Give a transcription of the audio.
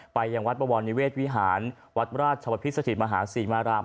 ไปยังวัดบวรนิเวศวิหารวัดราชวพิสถิตมหาศรีมาราม